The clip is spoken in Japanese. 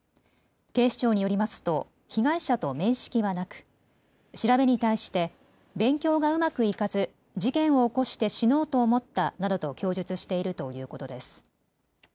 警視庁によりますと被害者と面識はなく、調べに対して勉強がうまくいかず事件を起こして死のうと思ったなどと供述しているということです。